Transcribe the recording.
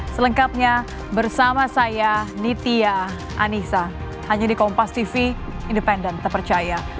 selengkapnya bersama saya nitia anissa hanya di kompas tv independen terpercaya